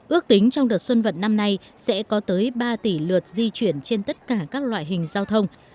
ước tính trong đợt xuân vận năm nay sẽ có tới ba tỷ lượt di chuyển trên tất cả các loại hình giao thông